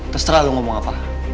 terserah lu ngomong apa